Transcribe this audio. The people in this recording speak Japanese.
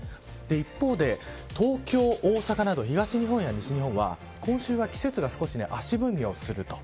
一方で東京大阪など東日本や西日本は今週は季節が少し足踏みをすると。